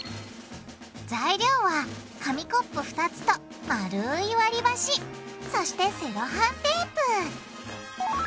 材料は紙コップ２つと丸い割りばしそしてセロハンテープ。